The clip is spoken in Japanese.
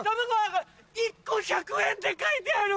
１個１００円って書いてある！